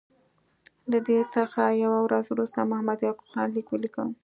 له دې څخه یوه ورځ وروسته محمد یعقوب خان لیک ولیکه.